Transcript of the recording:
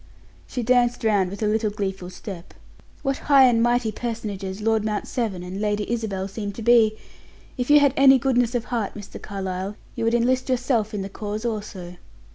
She danced round with a little gleeful step. "What high and mighty personages Lord Mount Severn and Lady Isabel seem to be! If you had any goodness of heart, Mr. Carlyle, you would enlist yourself in the cause also."